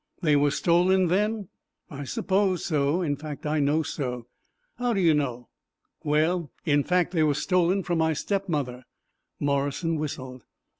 "They were stolen, then?" "I suppose so. In fact, I know so." "How do you know?" "Well in fact, they were stolen from my stepmother." Morrison whistled.